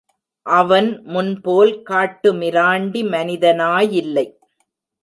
அவன் முன்போல் காட்டு மிராண்டி மனிதனாயில்லை.